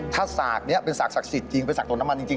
ถ้าสากนี้เป็นสากศักดิ์สิทธิ์จริงไปสากโดนน้ำมันจริง